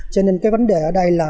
cho nên cái vấn đề ở đây là